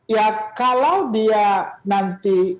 ya kalau dia nanti